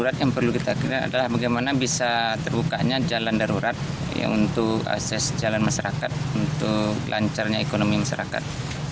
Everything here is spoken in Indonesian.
darurat yang perlu kita kira adalah bagaimana bisa terbukanya jalan darurat untuk akses jalan masyarakat untuk lancarnya ekonomi masyarakat